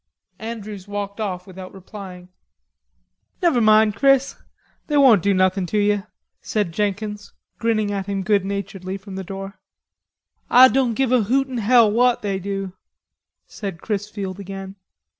Andrews walked off without replying. "Never mind, Chris; they won't do nothin' to ye," said Jenkins, grinning at him good naturedly from the door. "Ah doan give a hoot in hell what they do," said Chrisfield again.